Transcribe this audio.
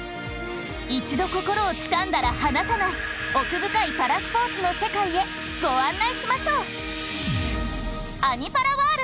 一度心をつかんだら離さない奥深いパラスポーツの世界へご案内しましょう。